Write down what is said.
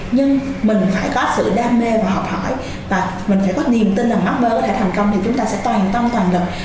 nhưng mình phải có sự đam mê và học hỏi và mình phải có niềm tin rằng apper có thể thành công thì chúng ta sẽ toàn tâm toàn lực